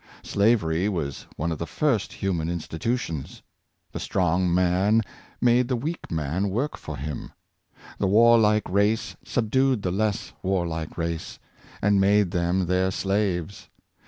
Slavery was one of the first of human institutions. The strong man made the weak man work for him. The warlike race sub dued the less warlike race, and made them their slaves.